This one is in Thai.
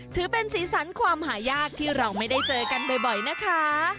ถือเป็นสีสันความหายากที่เราไม่ได้เจอกันบ่อยนะคะ